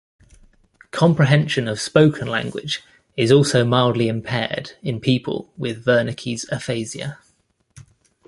Comprehension of spoken language is also mildly impaired in people with Wernicke's aphasia.